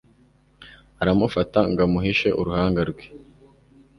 aramufata ngo amuhishe uruhanga rwe